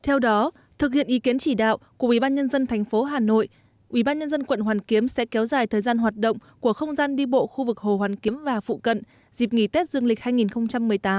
theo đó thực hiện ý kiến chỉ đạo của ubnd tp hà nội ubnd quận hoàn kiếm sẽ kéo dài thời gian hoạt động của không gian đi bộ khu vực hồ hoàn kiếm và phụ cận dịp nghỉ tết dương lịch hai nghìn một mươi tám